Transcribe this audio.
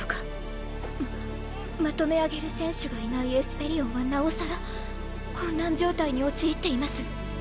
まとめ上げる選手がいないエスペリオンはなおさら混乱状態に陥っています。